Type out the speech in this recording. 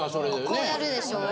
こうやるでしょ？